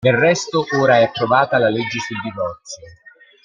Del resto ora è approvata la legge sul divorzio.